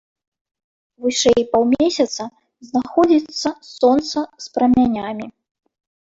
Вышэй паўмесяца знаходзіцца сонца з прамянямі.